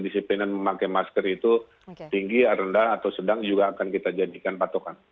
disiplinan memakai masker itu tinggi rendah atau sedang juga akan kita jadikan patokan